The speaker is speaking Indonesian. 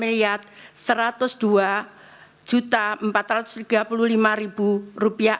satu ratus tujuh puluh lima satu ratus dua empat ratus tiga puluh lima rupiah